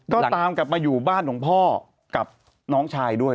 ก็ตามกลับมาอยู่บ้านของพ่อกับน้องชายด้วย